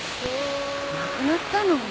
亡くなったの。